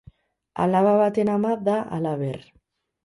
Alaba baten ama da halaber.